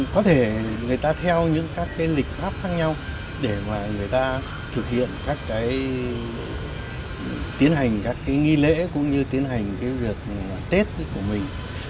có thể người ta theo những các cái lịch pháp khác nhau để mà người ta thực hiện các cái tiến hành các cái nghi lễ cũng như tiến hành cái việc tết của mình